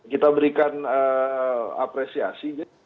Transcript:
kita berikan apresiasi